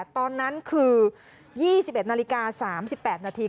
ตอนนั้นคือ๒๑นาฬิกา๓๘นาที